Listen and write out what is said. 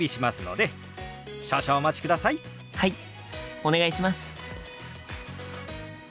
お願いします。